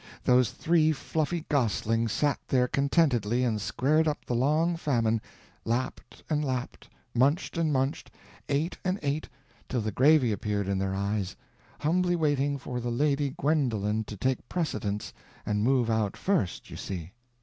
Those three fluffy goslings sat there contentedly, and squared up the long famine—lapped and lapped, munched and munched, ate and ate, till the gravy appeared in their eyes—humbly waiting for the Lady Gwendolen to take precedence and move out first, you see!